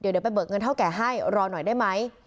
เดี๋ยวไปเบิกเงินเท่าแก่ให้รอหน่อยได้ไหม